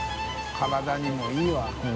体にもいいわこれ。